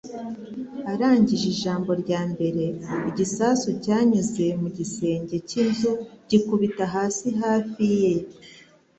arangije ijambo rya mbere, igisasu cyanyuze mu gisenge cy'inzu gikubita hasi hafi ye